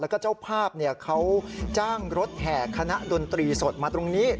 แล้วก็เจ้าภาพเขาจ้างรถแห่คณะดนตรีสดมาตรงนี้